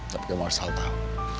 tapi kamu harus tahu